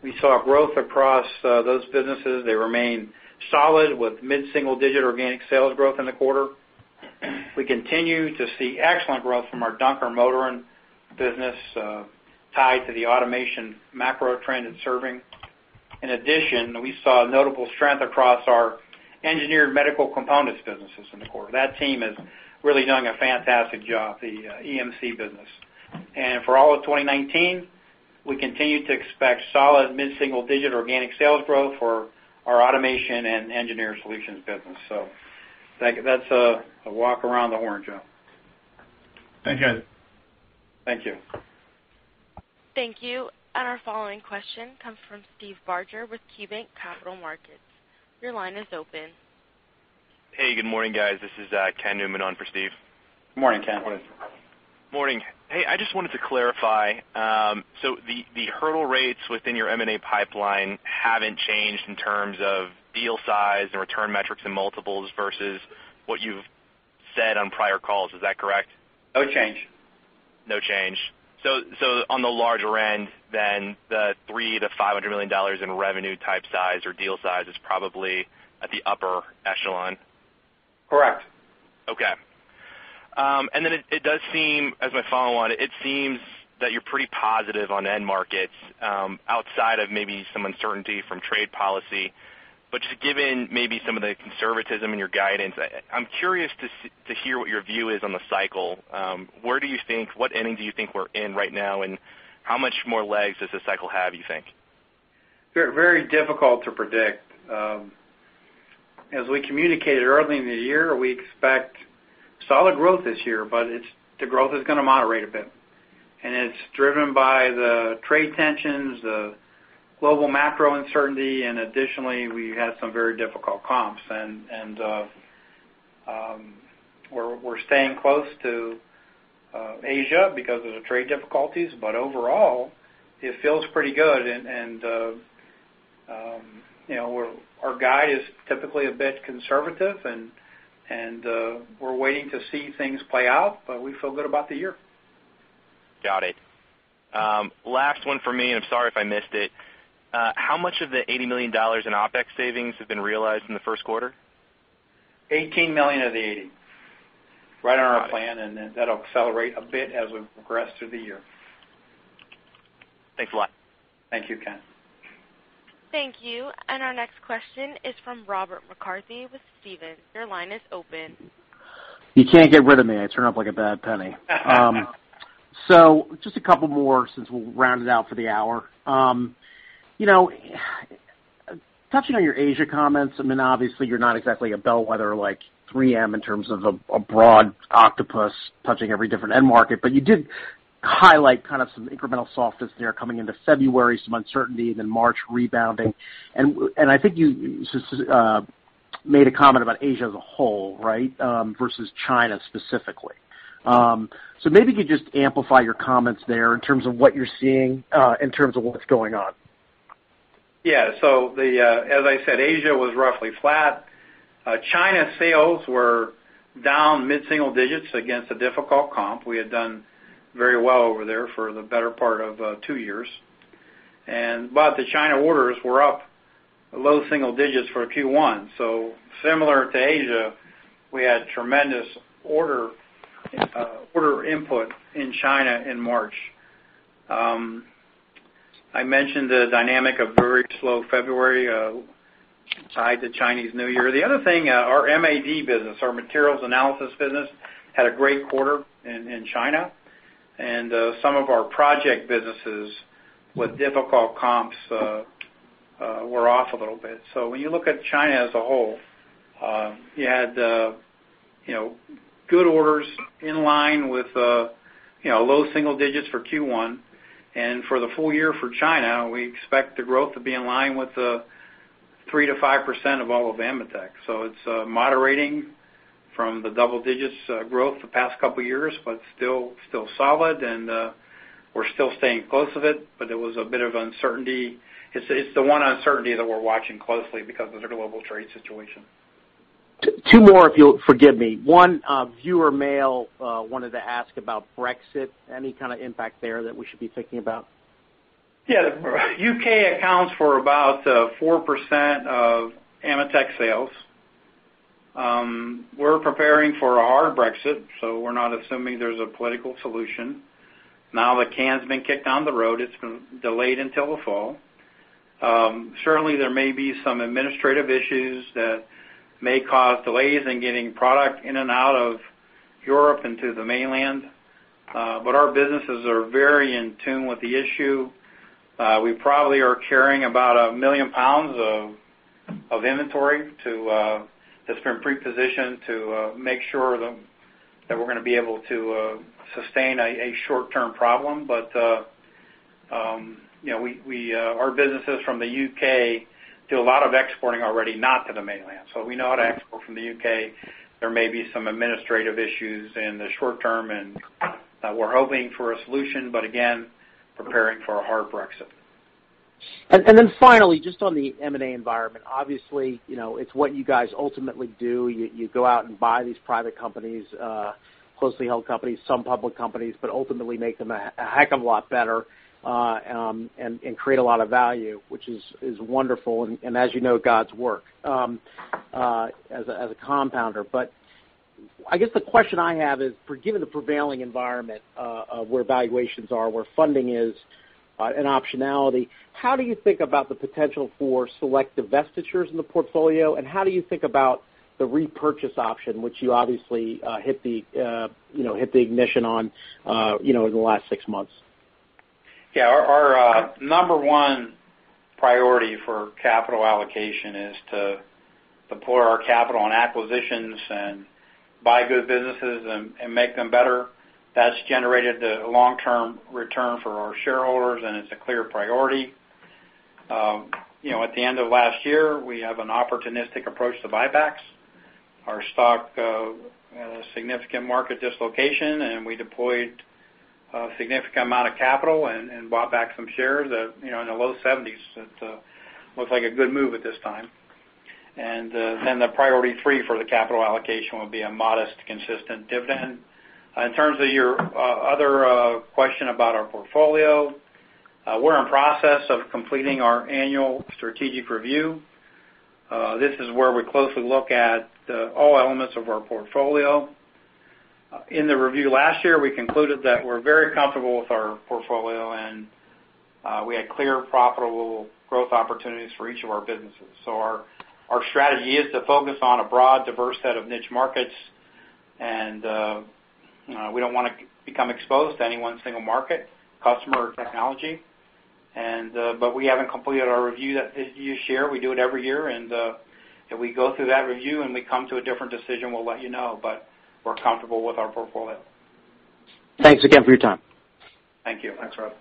we saw growth across those businesses. They remain solid with mid-single-digit organic sales growth in the quarter. We continue to see excellent growth from our Dunkermotoren business, tied to the automation macro trend in service. In addition, we saw notable strength across our engineered medical components businesses in the quarter. That team is really doing a fantastic job with the EMC business. For all of 2019, we continue to expect solid mid-single-digit organic sales growth for our automation and engineered solutions business. That's a walk around the horn, Joe. Thanks, guys. Thank you. Thank you. Our following question comes from Steve Barger with KeyBanc Capital Markets. Your line is open. Hey, good morning, guys. This is Ken Newman on for Steve. Morning, Ken. Morning. Morning. Hey, I just wanted to clarify. The hurdle rates within your M&A pipeline haven't changed in terms of deal size and return metrics and multiples versus what you've said on prior calls. Is that correct? No change. No change. On the larger end, the $300 million-$500 million in revenue type size or deal size is probably at the upper echelon. Correct. Okay. It does seem, as my follow-on, that you're pretty positive on end markets, outside of maybe some uncertainty from trade policies. Just given some of the conservatism in your guidance, I'm curious to hear what your view is on the cycle. Where do you think we are? what inning do you think we're in right now, and how many more legs does this cycle have, you think? Very, very difficult to predict. As we communicated earlier in the year, we expect solid growth this year, but the growth is going to moderate a bit. It's driven by the trade tensions and the global macro uncertainty, and additionally, we have some very difficult comps. We're staying close to Asia because of the trade difficulties, but overall, it feels pretty good. You know, our guide is typically a bit conservative, and we're waiting to see things play out, but we feel good about the year. Got it. Last one for me, and I'm sorry if I missed it. How much of the $80 million in OpEx savings has been realized in the first quarter? $18 million. [inaudible] Right on our plan. That'll accelerate a bit as we progress through the year. Thanks a lot. Thank you, Ken. Thank you. Our next question is from Robert McCarthy with Stephens. Your line is open. You can't get rid of me. I turn up like a bad penny. Just a couple more since we'll round it out for the hour. You know, touching on your Asia comments, I mean, obviously you're not exactly a bellwether like 3M in terms of a broad octopus touching every different end market, but you did highlight kind of some incremental softness there coming into February, some uncertainty, and then March rebounding. I think you made a comment about Asia as a whole, right, versus China specifically. Maybe you could just amplify your comments there in terms of what you're seeing and in terms of what's going on. As I said, Asia was roughly flat. China sales were down mid-single digits against a difficult comp. We had done very well over there for the better part of two years. The China orders were up in the low single digits for Q1. Similar to Asia, we had tremendous order input in China in March. I mentioned the dynamic of very slow February, tied to Chinese New Year. The other thing, our MAD business, our Materials Analysis Division, had a great quarter in China. Some of our project businesses with difficult comps were off a little bit. When you look at China as a whole, you had, you know, good orders in line with, you know, low single digits for Q1. For the full year for China, we expect the growth to be in line with the 3% to 5% of all of AMETEK's. It's moderating from the double-digit growth of the past couple years but is still solid, and we're still staying close to it, but there was a bit of uncertainty. It's the one uncertainty that we're watching closely because of the global trade situation. Two more, if you'll forgive me. One viewer, mail, wanted to ask about Brexit. Any kind of impact there that we should be thinking about? Yeah. The U.K. accounts for about 4% of AMETEK sales. We're preparing for a hard Brexit; we're not assuming there's a political solution. The can has been kicked down the road; it's been delayed until the fall. Certainly, there may be some administrative issues that may cause delays in getting products in and out of Europe into the mainland; our businesses are very in tune with the issue. We probably are carrying about 1 million pounds of inventory too that's been pre-positioned to make sure that we're going to be able to sustain a short-term problem. You know, we, our businesses from the U.K. do a lot of exporting already, not to the mainland. We know how to export from the U.K. There may be some administrative issues in the short term. We're hoping for a solution. Again, preparing for a hard Brexit. Finally, just on the M&A environment, obviously, you know, it's what you guys ultimately do. You go out and buy these private companies, closely held companies, and some public companies but ultimately make them a heck of a lot better and create a lot of value, which is wonderful and, as you know, God's work as a compounder. I guess the question I have is, given the prevailing environment, where valuations are, where funding is, and optionality, how do you think about the potential for select divestitures in the portfolio, and how do you think about the repurchase option, which you obviously hit the, you know, hit the ignition on, you know, in the last six months? Yeah. Our, our number one priority for capital allocation is to deploy our capital on acquisitions and buy good businesses and make them better. That's generated the long-term return for our shareholders, and it's a clear priority. You know, at the end of last year, we had an opportunistic approach to buybacks. Our stock had a significant market dislocation, and we deployed a significant amount of capital and bought back some shares, you know, in the low $70s. It looks like a good move at this time. Then the priority three for the capital allocation would be a modest, consistent dividend. In terms of your other question about our portfolio, we're in the process of completing our annual strategic review. This is where we closely look at all the elements of our portfolio. In the review last year, we concluded that we're very comfortable with our portfolio, and we had clear, profitable growth opportunities for each of our businesses. Our, our strategy is to focus on a broad, diverse set of niche markets; you know, we don't want to become exposed to any one single market, customer, or technology. We haven't completed our review this year. We do it every year; if we go through that review and we come to a different decision, we'll let you know, but we're comfortable with our portfolio. Thanks again for your time. Thank you. Thanks, Rob.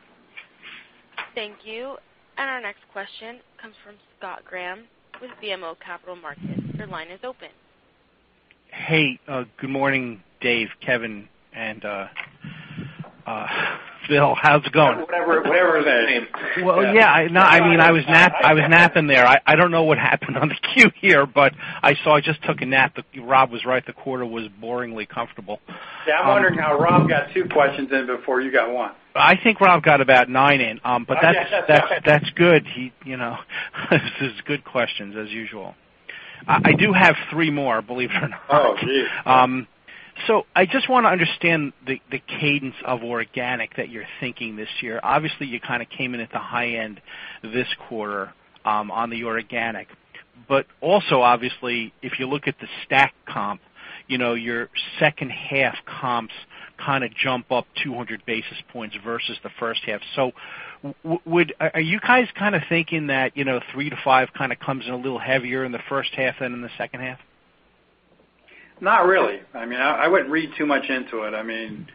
Thank you. Our next question comes from Scott Graham with BMO Capital Markets. Your line is open. Hey, good morning, David, Kevin, and Bill Burke. How's it going? [inaudible] Well, yeah, no, I mean, I was napping there. I don't know what happened on the queue here, but I saw I just took a nap. Robert was right; the quarter was boringly comfortable. Yeah, I'm wondering how Rob got two questions in before you got one. I think Robert got about nine in. That's good. He, you know, this is a good question as usual. I do have three more, believe it or not. Oh, geez. I just want to understand the cadence of organic that you're thinking of this year. Obviously, you kind of came in at the high end this quarter on the organic. Also, obviously, if you look at the stack comp, you know, your second-half comps kind of jump up 200 basis points versus the first half. Are you guys kind of thinking that, you know, three, five? Kind of comes in a little heavier in the first half than in the second half? Not really. I mean, I wouldn't read too much into it. I mean,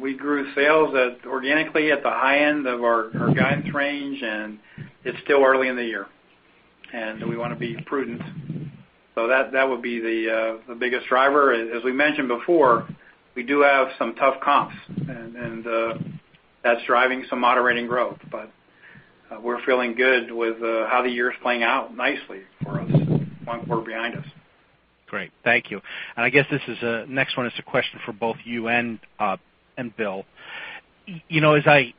we grew sales organically at the high end of our guidance range. It's still early in the year, and we want to be prudent. That would be the biggest driver. As we mentioned before, we do have some tough comps, and that's driving some moderating growth. We're feeling good about how the year is playing out nicely for us, with one quarter behind us. Great. Thank you. I guess this next one is a question for both you and Bill. You know, as I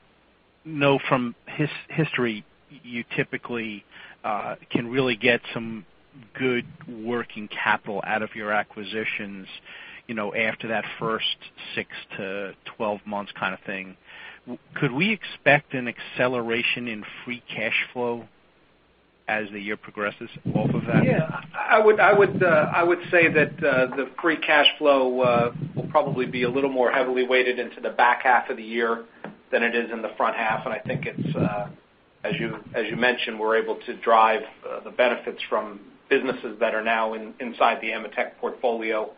know from history, you typically can really get some good working capital out of your acquisitions, you know, after that first six-12 months kind of thing. Could we expect an acceleration in free cash flow as the year progresses from that? I would say that the free cash flow will probably be a little more heavily weighted into the back half of the year than it is in the front half. I think it's, as you mentioned, that we're able to derive the benefits from businesses that are now inside the AMETEK portfolio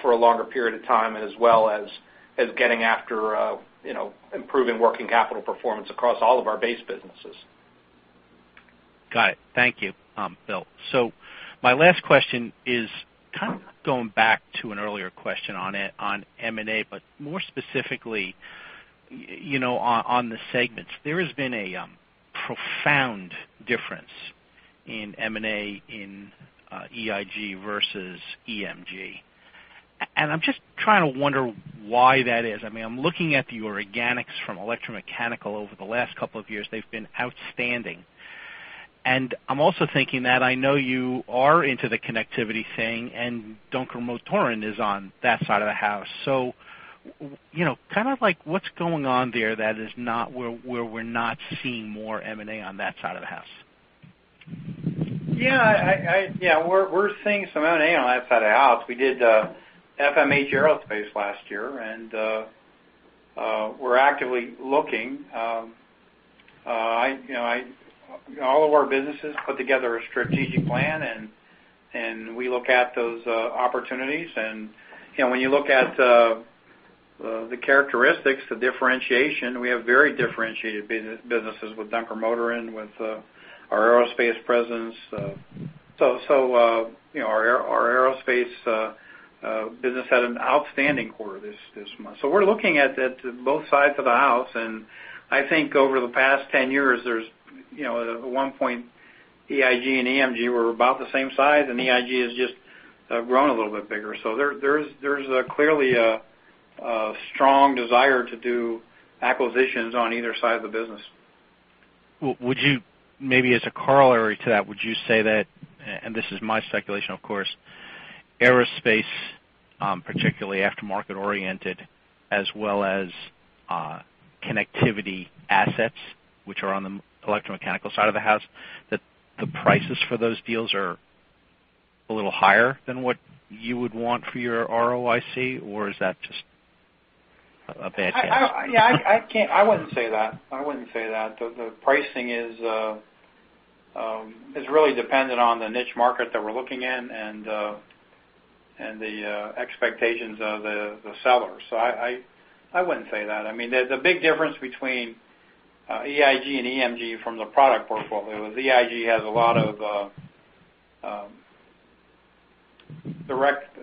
for a longer period of time, as well as getting after, you know, improving working capital performance across all of our base businesses. Got it. Thank you, Bill. My last question is kind of going back to an earlier question on M&A, but more specifically, you know, on the segments. There has been a profound difference in M&A in EIG versus EMG. I'm just trying to wonder why that is. I mean, I'm looking at your organics from Electromechanical; over the last couple of years, they've been outstanding. I'm also thinking that I know you are into the connectivity thing, and Dunkermotoren is on that side of the house. You know, kind of like what's going on there that is not where we're not seeing more M&A on that side of the house? Yeah, I Yeah, we're seeing some M&A on that side of the house. We did FMH Aerospace last year, and we're actively looking. I, you know, and all of our businesses put together a strategic plan, and we look at those opportunities. You know, when you look at the characteristics and the differentiation, we have very differentiated businesses with Dunkermotoren and with our aerospace presence. So, you know, our aerospace business had an outstanding quarter this month. We're looking at both sides of the house. I think over the past 10 years, there's been, you know, at one point, EIG and EMG were about the same size, and EIG has just grown a little bit bigger. There is clearly a strong desire to do acquisitions on either side of the business. Would you Maybe as a corollary to that, say that, and this is my speculation, of course, aerospace, particularly aftermarket-oriented, as well as connectivity assets, which are on the electromechanical side of the house, have prices for those deals a little higher than what you would want for your ROIC, or is that just a bad guess? I wouldn't say that. I wouldn't say that. The pricing is really dependent on the niche market that we're looking in and the expectations of the sellers. I wouldn't say that. I mean, there's a big difference between EIG and EMG from the product portfolio. EIG has a lot of direct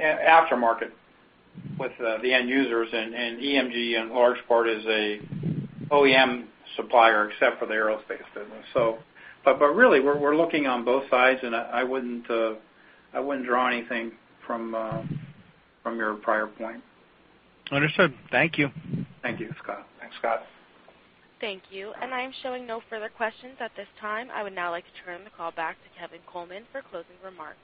aftermarket with the end users, and EMG in large part, is an OEM supplier except for the aerospace business. Really, we're looking on both sides, and I wouldn't draw anything from your prior point. Understood. Thank you. Thank you, Scott. Thanks, Scott. Thank you. I have no further questions at this time. I would now like to turn the call back to Kevin Coleman for closing remarks.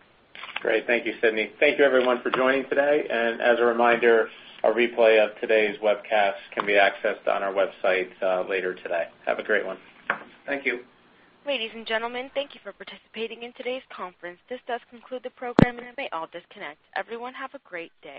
Great. Thank you, Sydney. Thank you, everyone, for joining today. As a reminder, a replay of today's webcast can be accessed on our website later today. Have a great one. Thank you. Ladies and gentlemen, thank you for participating in today's conference. This does conclude the program, and you may all disconnect. Everyone, have a great day.